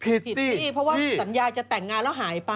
ผิดสิเพราะว่าสัญญาจะแต่งงานแล้วหายไป